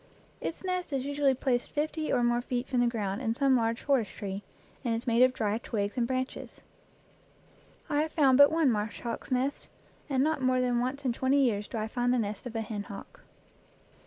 Its nest is usually placed fifty or more feet from the ground in some large forest tree, and is made of dry twigs and branches. I have found but one marsh hawk's nest, and not more 58 EACH AFTER ITS KIND than once in twenty years do I find the nest of a hen hawk.